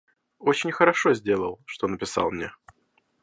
Очень хорошо сделал, что написал мне.